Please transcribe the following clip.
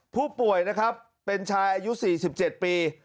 ผู้ป่วยเป็นชายอายุ๔๗ปี